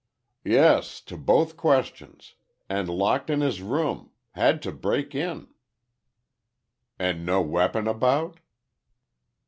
"Yes, to both those questions. And locked in his room. Had to break in." "And no weapon about?"